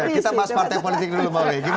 kita mas partai politik dulu